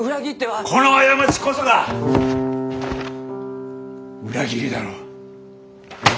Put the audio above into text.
この過ちこそが裏切りだろう？